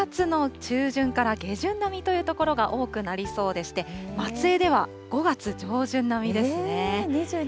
きょうは４月の中旬から下旬並みという所が多くなりそうでして、松江では５月上旬並みですね。